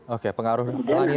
oke pengaruh lanina masih dominan